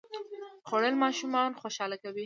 خوړل ماشومان خوشاله کوي